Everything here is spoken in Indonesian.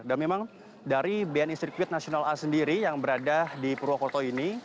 dan memang dari bni sirkuit nasional a sendiri yang berada di purwokerto ini